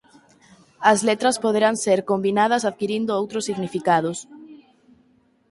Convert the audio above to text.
As letras poderán ser combinadas adquirindo outros significados.